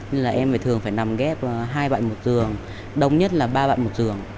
nên là em phải thường phải nằm ghép hai bạn một giường đông nhất là ba bạn một giường